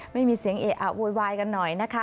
ไม่มีเสียงเอะอะโวยวายกันหน่อยนะคะ